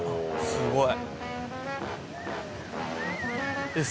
すごい。